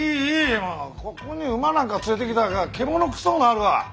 もうここに馬なんか連れてきたら獣臭うなるわ。